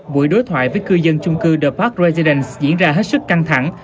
buổi đối thoại với cư dân trung cư the park residence diễn ra hết sức căng thẳng